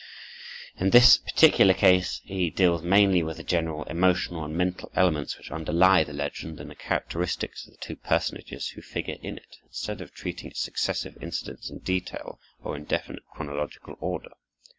In this particular case he deals mainly with the general emotional and mental elements which underlie the legend and the characteristics of the two personages who figure in it, instead of treating its successive incidents in detail, or in definite chronological order.